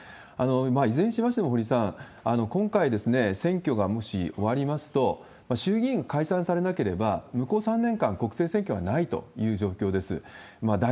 いずれにしましても堀さん、今回、選挙がもし終わりますと、衆議院解散されなければ、向こう３年間、国政選挙はないという状況です。